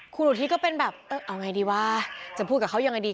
คุณอุทิศก็เป็นแบบเออเอาไงดีวะจะพูดกับเขายังไงดี